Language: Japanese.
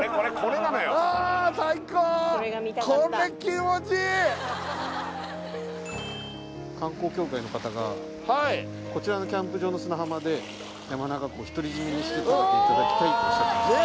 わあ最高これ気持ちいい観光協会の方がこちらのキャンプ場の砂浜で山中湖を独り占めにして食べていただきたいとおっしゃってました